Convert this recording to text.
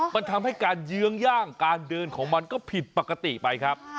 มันทำให้การเยื้องย่างการเดินของมันก็ผิดปกติไปครับ